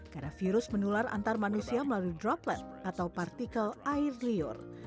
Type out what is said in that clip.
karena virus menular antar manusia melalui droplet atau partikel air liur